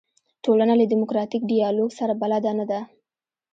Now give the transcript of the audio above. ټولنه له دیموکراتیک ډیالوګ سره بلده نه ده.